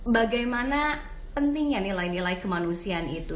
bagaimana pentingnya nilai nilai kemanusiaan itu